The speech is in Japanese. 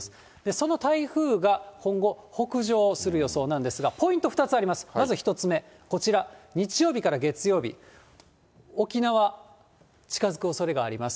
その台風が今後、北上する予想なんですが、ポイント２つあります、まず１つ目、こちら、日曜日から月曜日、沖縄、近づくおそれがあります。